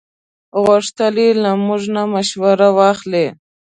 غوښتل یې له موږ نه مشوره واخلي.